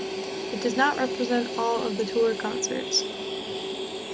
It does not represent all the tour concerts.